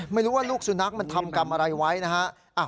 ไม่รู้ว่าลูกสุนัขมันทำกรรมอะไรไว้นะฮะ